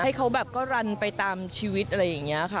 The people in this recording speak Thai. ให้เขาแบบก็รันไปตามชีวิตอะไรอย่างนี้ค่ะ